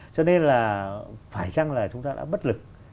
cho nên là phải chăng là chúng ta đã bất lực